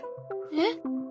えっ？